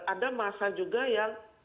ada masa juga yang